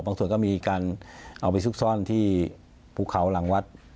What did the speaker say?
ส่วนก็มีการเอาไปซุกซ่อนที่ภูเขาหลังวัด